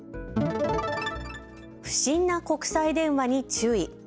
不審な国際電話に注意。